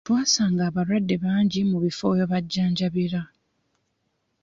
Twasanga abalwadde bangi mu bifo we bajjanjabira.